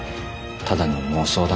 ただの妄想だ。